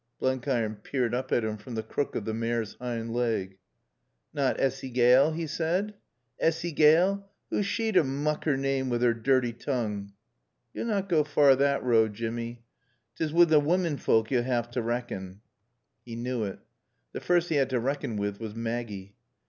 Blenkiron peered up at him from the crook of the mare's hind leg. "Nat Assy Gaale?" he said. "Assy Gaale? 'Oo's she to mook 'er naame with 'er dirty toongue?" "Yo'll not goa far thot road, Jimmy. 'Tis wi' t' womenfawlk yo'll 'aave t' racken." He knew it. The first he had to reckon with was Maggie.